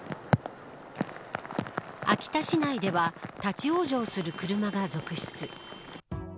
秋田市内では立ち往生する車が続出。